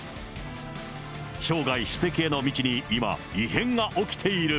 生涯主席への道に今、異変が起きている。